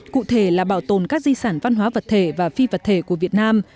cụ thể là bảo tồn các di sản văn hóa vật thể và phi vật thể của việt nam